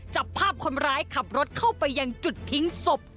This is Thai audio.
จับภาพคนร้ายขับรถเข้าไปยังจุดทิ้งศพ